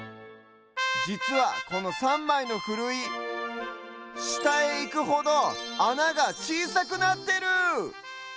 じつはこの３まいのふるいしたへいくほどあながちいさくなってる！